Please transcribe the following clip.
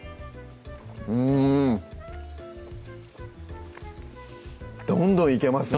うんどんどんいけますね